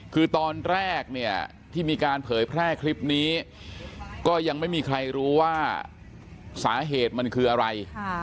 คือตอนแรกเนี่ยที่มีการเผยแพร่คลิปนี้ก็ยังไม่มีใครรู้ว่าสาเหตุมันคืออะไร